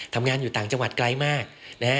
ทำงานอยู่ต่างจังหวัดไกลมากนะฮะ